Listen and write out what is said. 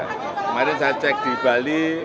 kemarin saya cek di bali